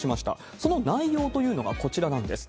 その内容というのがこちらなんです。